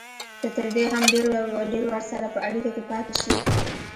که تر دې هم ډېر ورسره په اړیکه کې پاتې شي